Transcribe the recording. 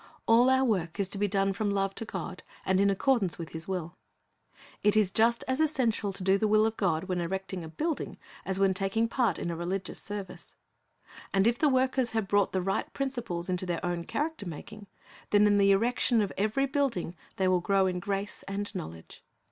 All our work is to be done from love to God, and in accordance with His will. It is just as essential to do the will of God when erecting a building as when taking part in a religious service. And if the workers have brought the right principles into their own character making, then in the erection of every building they will grow in grace and knowledge.